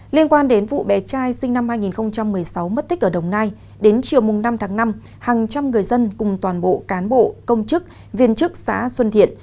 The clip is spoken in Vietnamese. liên quan đến vụ bé trai sinh năm hai nghìn một mươi sáu mất tích ở đồng nai đến chiều năm tháng năm hàng trăm người dân cùng toàn bộ cán bộ công chức viên chức xã xuân thiện